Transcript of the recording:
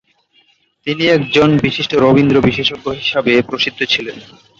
তিনি একজন বিশিষ্ট রবীন্দ্র বিশেষজ্ঞ হিসাবে প্রসিদ্ধ ছিলেন।